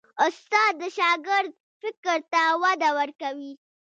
استاد د شاګرد فکر ته وده ورکوي.